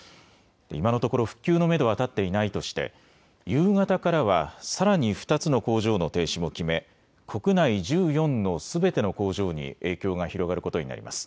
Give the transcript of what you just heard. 今のところ復旧のめどは立っていないとして夕方からはさらに２つの工場の停止も決め国内１４のすべての工場に影響が広がることになります。